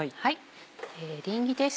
エリンギです。